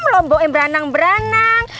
lombok yang beranang beranang